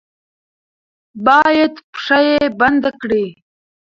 با ید پښه یې بنده کړي.